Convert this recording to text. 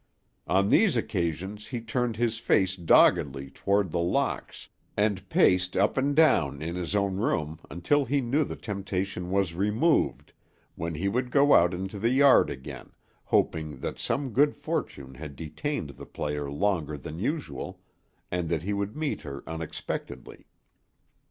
On these occasions he turned his face doggedly toward The Locks, and paced up and down in his own room until he knew the temptation was removed; when he would go out into the yard again, hoping that some good fortune had detained the player longer than usual, and that he would meet her unexpectedly.